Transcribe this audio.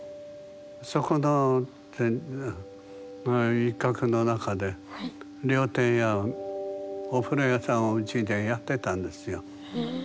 そこの一画の中で料亭やお風呂屋さんをうちでやってたんですよ。